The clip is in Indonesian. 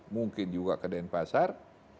mungkin juga ke denpasar